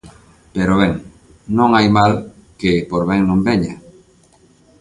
Pero ben, non hai mal que por ben non veña.